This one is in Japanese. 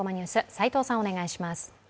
齋藤さん、お願いします。